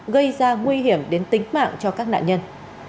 gây ra nguy hiểm đến tính mạng cho các nạn nhân